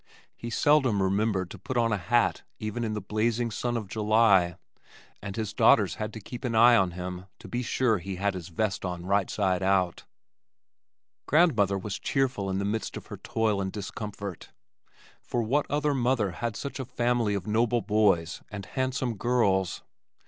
He seldom remembered to put on a hat even in the blazing sun of July and his daughters had to keep an eye on him to be sure he had his vest on right side out. Grandmother was cheerful in the midst of her toil and discomfort, for what other mother had such a family of noble boys and handsome girls?